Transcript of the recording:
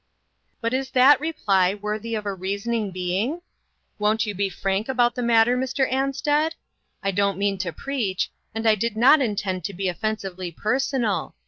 " But is that reply worthy of a reasoning be'ing? Won't you be frank about the mat ter, Mr. Ansted ? I don't mean to preach, and I did not intend to be offensively per sonal.